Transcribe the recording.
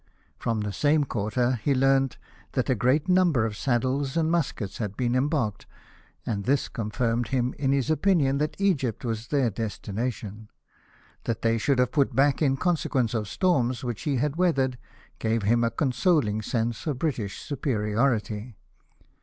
From the same quarter he learnt that a great number of saddles and muskets had been embarked, and this confirmed him in his opinion that Egypt was their (destination. That they should have put back in consequence of storms which he had weathered gave him a consoling sense of British superiority.